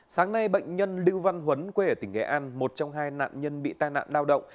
sáng nay bệnh nhân lưu văn huấn quê ở tỉnh nghệ an một trong hai nạn nhân bị tai nạn lao động